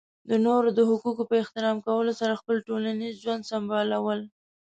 د نورو د حقونو په احترام کولو سره خپل ټولنیز ژوند سمبالول.